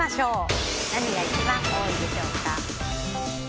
何が一番多いでしょうか。